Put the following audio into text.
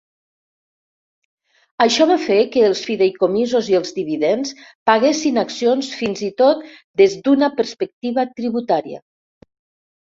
Això va fer que els fideïcomisos i els dividends paguessin accions fins i tot des d'una perspectiva tributaria.